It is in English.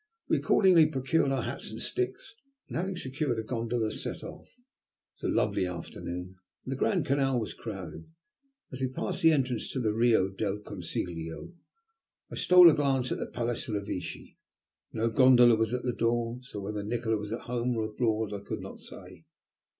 We accordingly procured our hats and sticks, and having secured a gondola, set off. It was a lovely afternoon, and the Grand Canal was crowded. As we passed the entrance to the Rio del Consiglio, I stole a glance at the Palace Revecce. No gondola was at the door, so whether Nikola was at home or abroad I could not say.